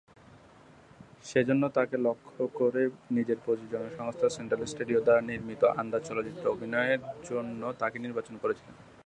সেখানে তাঁকে লক্ষ্য করে নিজের প্রযোজনা সংস্থা সেন্ট্রাল স্টুডিও দ্বারা নির্মিত "আন্দাজ" চলচ্চিত্রে অভিনয়ের জন্য তাঁকে নির্বাচন করেছিলেন।